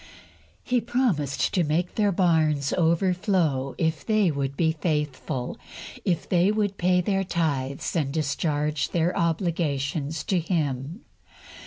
He promised to make their barns overflow, if they would be faithful, if they would pay their tithes and discharge their obligations to Him.